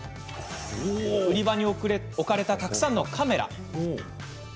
売り場に置かれたたくさんのカメラ。